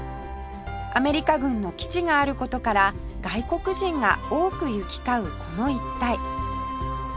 アメリカ軍の基地がある事から外国人が多く行き交うこの一帯